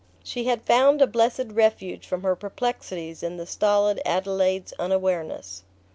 She had found a blessed refuge from her perplexities in the stolid Adelaide's unawareness.